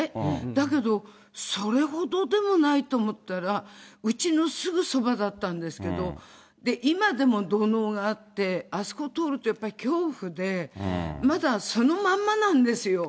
だけど、それほどでもないと思ったら、うちのすぐそばだったんですけど、今でも土のうがあって、あそこ通るとやっぱり恐怖で、まだそのまんまなんですよ。